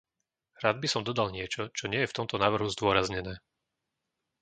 Rád by som dodal niečo, čo nie je v tomto návrhu zdôraznené.